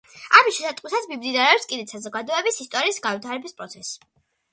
ამის შესატყვისად მიმდინარეობს კიდეც საზოგადოების ისტორიის განვითარების პროცესი.